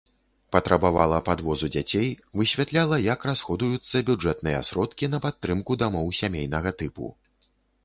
Патрабавала падвозу дзяцей, высвятляла, як расходуюцца бюджэтныя сродкі на падтрымку дамоў сямейнага тыпу.